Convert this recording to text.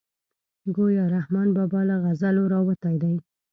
ګویا رحمان بابا له غزلو راوتی دی.